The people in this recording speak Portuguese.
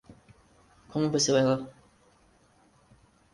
Como você vai lá?